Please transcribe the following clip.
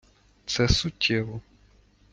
Це суттєво.